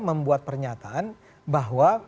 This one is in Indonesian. membuat pernyataan bahwa